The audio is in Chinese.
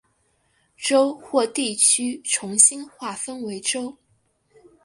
州或地区重新划分为州。